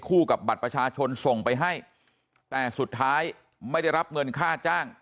กับบัตรประชาชนส่งไปให้แต่สุดท้ายไม่ได้รับเงินค่าจ้าง